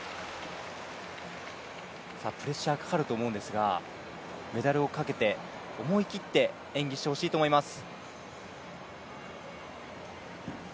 プレッシャーかかると思うんですが、メダルをかけて思い切って演技してほしいと思います。